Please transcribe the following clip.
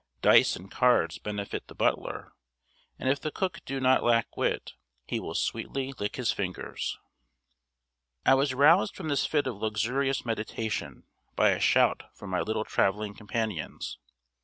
Dice and cards benefit the butler; and if the cook do not lack wit, he will sweetly lick his fingers." I was roused from this fit of luxurious meditation by a shout from my little travelling companions.